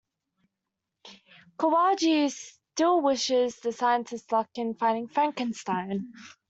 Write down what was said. Kawaji still wishes the scientists luck in finding Frankenstein.